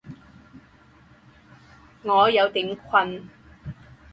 我有点困